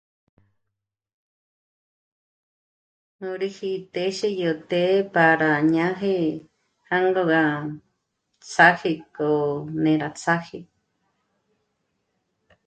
Jôrüji t'éxe yó té para ñá'je jângó gá ts'áje k'ó né'e rá ts'áje